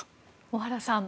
小原さん